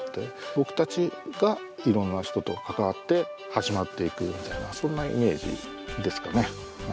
僕たちがいろんな人と関わって始まっていくみたいなそんなイメージですかね。